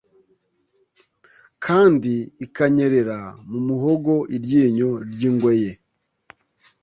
kandi ikanyerera mu muhogo iryinyo ry'ingwe ye